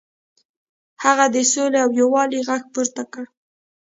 هغه د سولې او یووالي غږ پورته کړ.